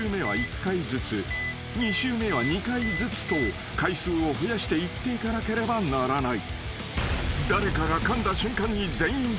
［２周目は２回ずつと回数を増やして言っていかなければならない］